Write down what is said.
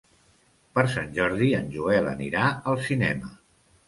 Per Sant Jordi en Joel anirà al cinema.